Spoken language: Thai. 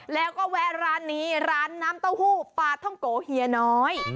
แล้วก็แวะร้านนี้ร้านน้ำเต้าหู้ปลาท่องโกเฮียน้อย